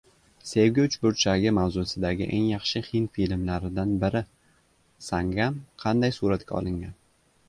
Sevgi uchburchagi mavzusidagi eng yaxshi hind filmlaridan biri — “Sangam” qanday suratga olingan?